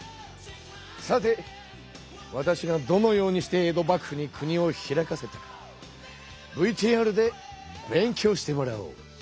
さてわたしがどのようにして江戸幕府に国を開かせたかＶＴＲで勉強してもらおう。